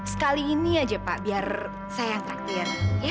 sekali ini aja pak biar saya yang traktir ya